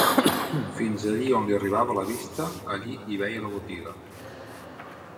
Fins allí on li arribava la vista allí hi veia la botiga